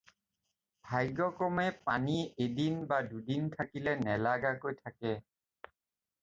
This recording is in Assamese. ভাগ্যক্ৰমে পানী এদিন বা দুদিন থাকিলে নেগেলাকৈ থাকে।